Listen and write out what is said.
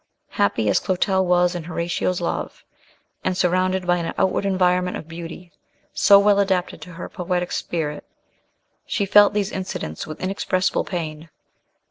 Happy as Clotel was in Horatio's love, and surrounded by an outward environment of beauty, so well adapted to her poetic spirit, she felt these incidents with inexpressible pain.